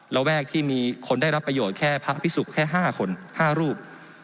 และแวกที่มีคนได้รับประโยชน์แค่พระอภิษฐุแค่๕คน๕รูป